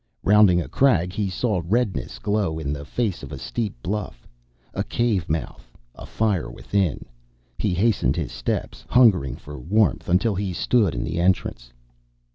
Rounding a crag, he saw redness glow in the face of a steep bluff. A cave mouth, a fire within he hastened his steps, hungering for warmth, until he stood in the entrance.